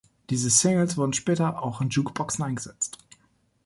Diese Singles wurden später auch in Jukeboxen eingesetzt.